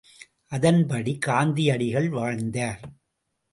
அதன்படி காந்தியடிகள் வாழ்ந்தார்.